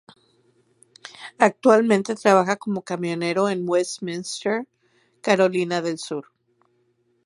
Actualmente trabaja como camionero en Westminster, Carolina del Sur.